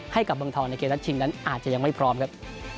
ให้กับเมืองทองในเกมนัดชิงนั้นอาจจะยังไม่พร้อมครับ